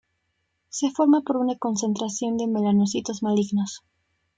Se forma por una concentración de melanocitos malignos.